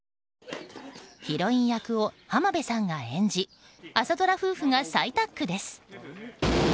ヒロイン役を浜辺さんが演じ朝ドラ夫婦が再タッグです。